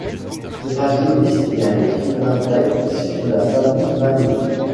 C'est un juriste et un écrivain grec issu de la famille Manos.